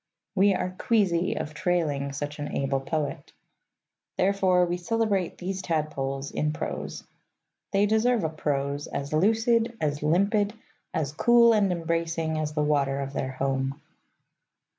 We are queasy of trailing such an able poet. Therefore we celebrate these tadpoles in prose. They deserve a prose as lucid, as limpid, as cool and embracing, as the water of their home.